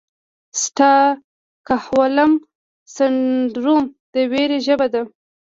سټاکهولم سنډروم د ویرې ژبه ده.